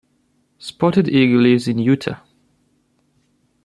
Spotted Eagle lives in Utah.